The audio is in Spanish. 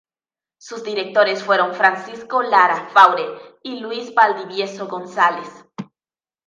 Sus directores fueron: Francisco Lara Faure y Luis Valdivieso González.